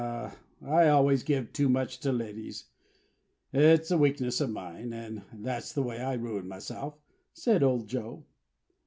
"I always give too much to ladies. It's a weakness of mine, and that's the way I ruin myself," said old Joe.